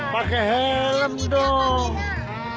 pakai helm dong